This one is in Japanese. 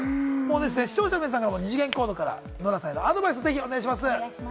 視聴者の皆さんも二次元コードからノラさんへのアドバイスをぜひお願いします。